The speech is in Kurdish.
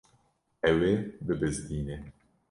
Ew ê bibizdîne.